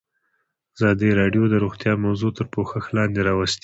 ازادي راډیو د روغتیا موضوع تر پوښښ لاندې راوستې.